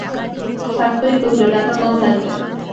সাতকড়ি কহিল, টাকা কম লাগবে না।